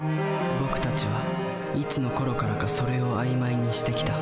僕たちはいつのころからか「それ」を曖昧にしてきた。